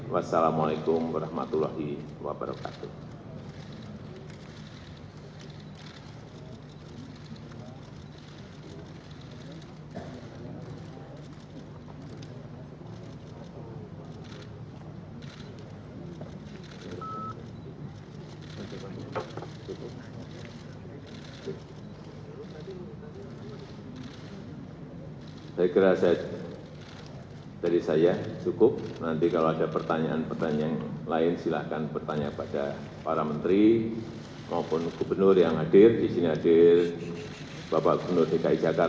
wassalamu'alaikum warahmatullahi wabarakatuh